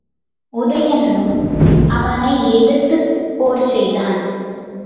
உதயணனும் அவனை எதிர்த்துப் போர்செய்தான்.